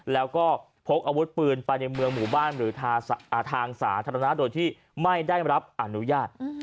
แล้วก็พกอาวุธปืนไปในเมืองหมู่บ้านหรือทางสาธารณะโดยที่ไม่ได้รับอนุญาต